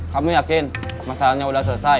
kamu yakin masalahnya udah selesai